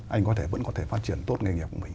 anh có thể vẫn có thể phát triển tốt nghề nghiệp của mình